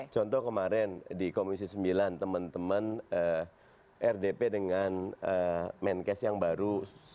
contoh kemarin di komisi sembilan teman teman rdp dengan menkes yang baru